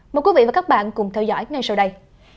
mời quý vị và các bạn cùng theo dõi ngay sau đây